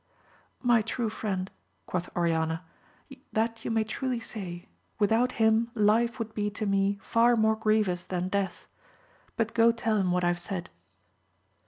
My true Mend, quoth Oriana, that you may truly say; without him life would be to me far more grievous than death. But go tell him what I have said.